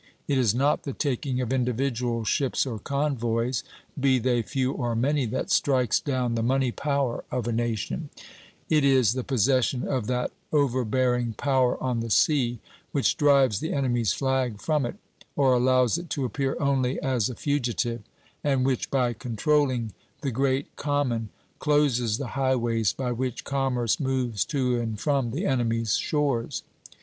It is not the taking of individual ships or convoys, be they few or many, that strikes down the money power of a nation; it is the possession of that overbearing power on the sea which drives the enemy's flag from it, or allows it to appear only as a fugitive; and which, by controlling the great common, closes the highways by which commerce moves to and from the enemy's shores.